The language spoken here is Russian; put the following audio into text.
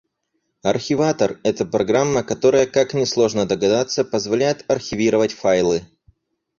Архиватор — это программа, которая, как несложно догадаться, позволяет архивировать файлы.